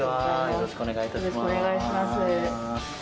よろしくお願いします。